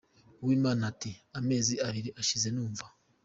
Uwimana ati “Amezi abiri ashize numva